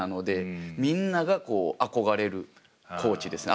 みんなが憧れるアタックコーチですね。